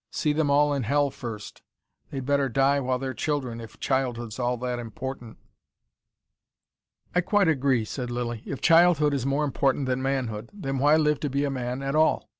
See them all in hell first. They'd better die while they're children, if childhood's all that important." "I quite agree," said Lilly. "If childhood is more important than manhood, then why live to be a man at all?